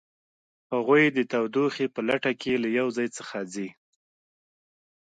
هغوی د تودوخې په لټه کې له یو ځای څخه ځي